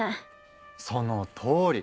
そのとおり！